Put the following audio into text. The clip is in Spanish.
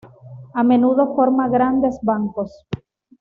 A menudo forma grandes bancos.